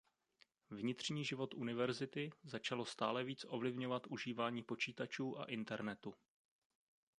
Vnitřní život univerzity začalo stále víc ovlivňovat užívání počítačů a internetu.